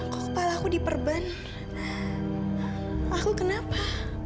kepala aku diperban aku kenapa